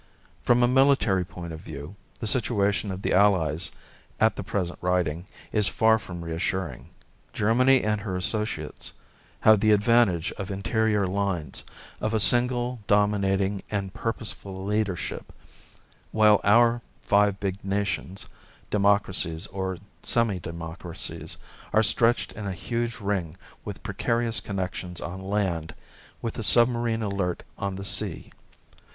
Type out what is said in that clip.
From a military point of view the situation of the Allies at the present writing is far from reassuring. Germany and her associates have the advantage of interior lines, of a single dominating and purposeful leadership, while our five big nations, democracies or semi democracies, are stretched in a huge ring with precarious connections on land, with the submarine alert on the sea.